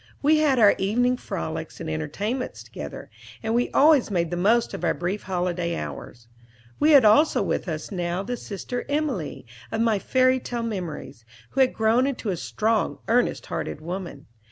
We had our evening frolics and entertainments together, and we always made the most of our brief holiday hours. We had also with us now the sister Emilie of my fairy tale memories, who had grown into a strong, earnest hearted woman.